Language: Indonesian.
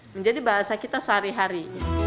menjadi bahasa kita sehari hari